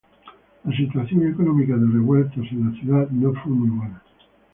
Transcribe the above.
La situación económica de Revueltas en la ciudad no fue muy buena.